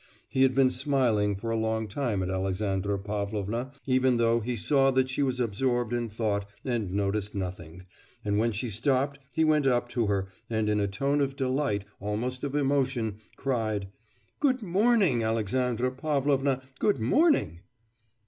He had been smiling for a long time at Alexandra Pavlovna, even though he saw that she was absorbed in thought and noticing nothing, and when she stopped he went up to her and in a tone of delight, almost of emotion, cried: 'Good morning, Alexandra Pavlovna, good morning!